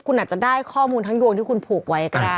คุณอาจจะได้ข้อมูลทั้งโยงที่คุณผูกไว้ก็ได้